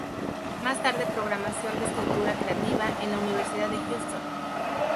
Más tarde programación de escritura creativa en la Universidad de Houston.